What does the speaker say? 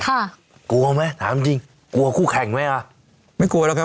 กลัวไหมถามจริงกลัวคู่แข่งไหมอ่ะไม่กลัวแล้วครับ